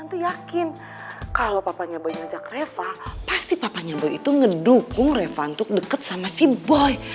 tante yakin kalau papanya boy ngajak reva pasti papanya boy itu ngedukung reva untuk deket sama si boy